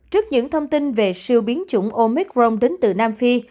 trước những thông tin về siêu biến chủng omicron đến từ nam phi